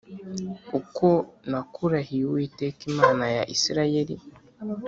uko nakurahiye Uwiteka Imana ya Isirayeli